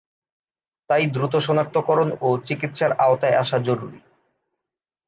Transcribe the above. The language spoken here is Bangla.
তাই দ্রুত শনাক্তকরণ ও চিকিৎসার আওতায় আসা জরুরি।